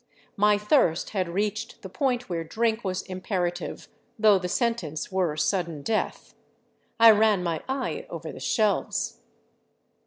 My thirst had reached the point where drink was imperative, though the sentence were sudden death. I ran my eye over the shelves.